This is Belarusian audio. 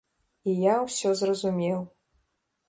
І я ўсё зразумеў.